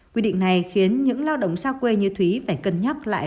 quy định này khiến những lao động xa quê như thúy phải cân nhắc lại